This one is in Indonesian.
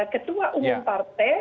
ketua umum partai